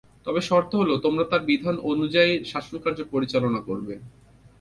তবে শর্ত হল, তোমরা তার বিধান অনুযায়ী শাসনকার্য পরিচালনা করবে।